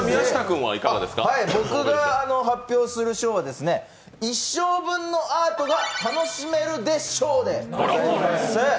僕が発表する賞は、一生分のアートが楽しめるで賞でございます。